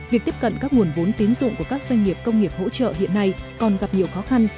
việc tiếp cận các nguồn vốn tín dụng của các doanh nghiệp công nghiệp hỗ trợ hiện nay còn gặp nhiều khó khăn